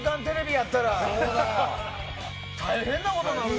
やったら大変なことなるよ。